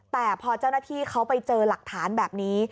แต่พอเจ้าหน้าที่เขาไปเจอหลักฐานแบบนี้